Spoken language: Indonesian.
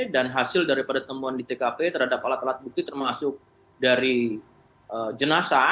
dan hasil daripada temuan di tkp terhadap alat alat bukti termasuk dari jenasa